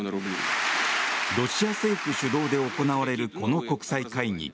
ロシア政府主導で行われるこの国際会議。